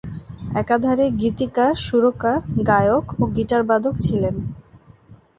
একাধারে গীতিকার, সুরকার, গায়ক ও গিটারবাদক ছিলেন।